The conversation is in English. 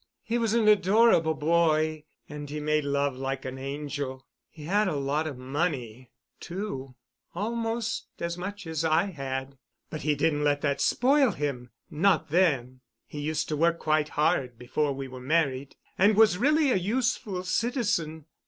He was an adorable boy and he made love like an angel. He had a lot of money, too—almost as much as I had—but he didn't let that spoil him—not then. He used to work quite hard before we were married, and was really a useful citizen.